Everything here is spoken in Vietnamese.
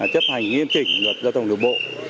chấp hành nghiêm trình luật giao thông đường bộ